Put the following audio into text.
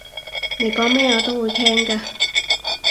你講咩我都會聽㗎